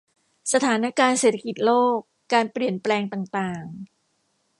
สถานการณ์เศรษฐกิจโลก การเปลี่ยนแปลงต่างต่าง